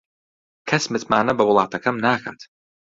کەس متمانە بە وڵاتەکەم ناکات.